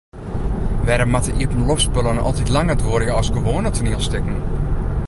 Wêrom moatte iepenloftspullen altyd langer duorje as gewoane toanielstikken?